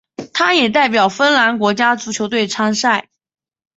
他也代表芬兰国家足球队参赛。